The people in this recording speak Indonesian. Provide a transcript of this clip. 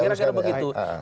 ya sudah ya